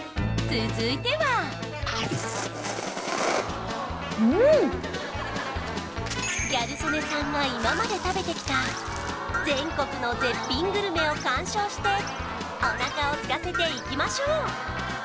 続いてはギャル曽根さんが今まで食べてきた全国の絶品グルメを鑑賞してお腹をすかせていきましょう！